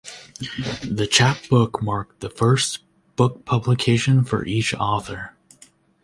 The chapbook marked the first book publication for each author.